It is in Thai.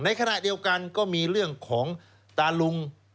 ในขณะเดียวกันก็มีเรื่องของตาลุง